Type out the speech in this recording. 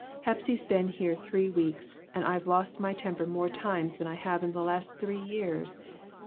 Hepsy's been here three weeks, and I've lost my temper more times than I have in the last three years.